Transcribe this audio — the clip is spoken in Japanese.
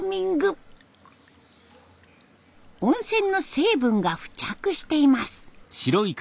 温泉の成分が付着しています。